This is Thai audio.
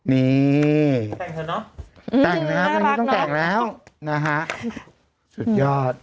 นี่แต่งเถอะเนอะอืมต้องแต่งแล้วนะฮะสุดยอด